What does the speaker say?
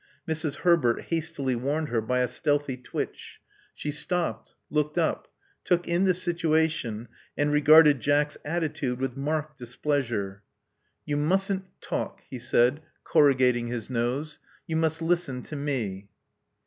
Mrs. Herbert hastily warned her by a stealthy twitch. She stopped; looked up; took in the situa tion; and regarded Jack's attitude with nqiarked dis pleasure. 230 Love Among the Artists •*You mustn't talk," he said, corrugating his nose. You must listen to me."